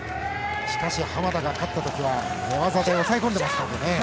しかし濱田が勝ったときは寝技で抑え込んでますね。